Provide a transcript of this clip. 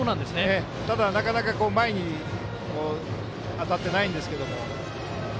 ただ、なかなか前に当たっていないんですけども。